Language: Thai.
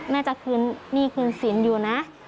แม่จะคืนหนี้คืนสินอยู่นะ